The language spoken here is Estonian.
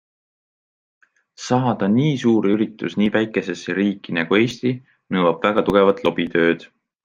Saada nii suur üritus nii väikesesse riiki nagu Eesti nõuab väga tugevat lobitööd.